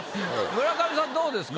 村上さんどうですか？